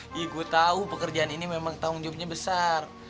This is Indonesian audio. iya gua tahu pekerjaan ini memang tanggung jawabnya besar